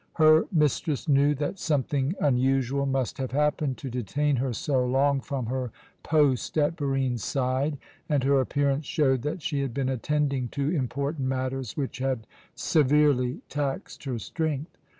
Her mistress knew that something unusual must have happened to detain her so long from her post at Barine's side, and her appearance showed that she had been attending to important matters which had severely taxed her strength.